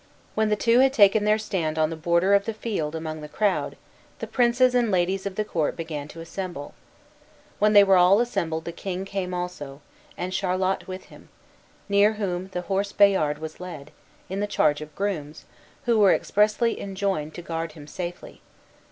When the two had taken their stand on the border of the field among the crowd the princes and ladies of the court began to assemble. When they were all assembled the king came also, and Charlot with him, near whom the horse Bayard was led, in the charge of grooms, who were expressly enjoined to guard him safely.